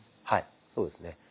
はいそうですね。